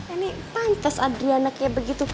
ini pantas adria anaknya begitu